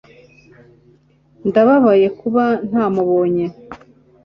ndababaye kuba ntamubonye